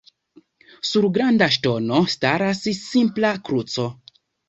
Sur Granda ŝtono staras simpla kruco.